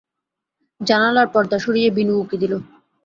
জানালার পর্দা সরিয়ে বিনু উঁকি দিল।